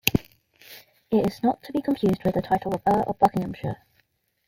It is not to be confused with the title of Earl of Buckinghamshire.